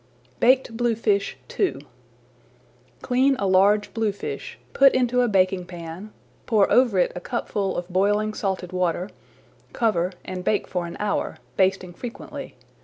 BAKED BLUEFISH II Clean a large bluefish, put into a baking pan, pour over it a cupful of boiling salted water, cover and bake for an hour, basting frequently.